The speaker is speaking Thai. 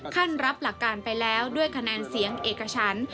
ขั้นรับหลักการไปแล้วด้วยคะแนนเสียงเอกชั้น